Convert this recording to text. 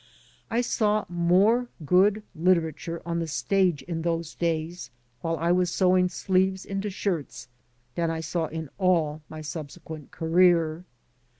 I saw more good literature on the stage in those days while I was sewing sleeves into shirts than I saw in all my subsequent career.